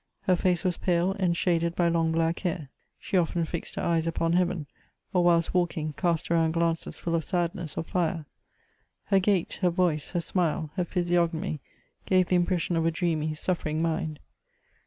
Her face was pale, and shaded by long bbick hair. She often fixed her eyes upon heaven, or whilst walking, cast around glances full of sadness or fire. Her gait, her Toice, her smile, her physiognomy, gave the impression of a dreamy, suffering mind.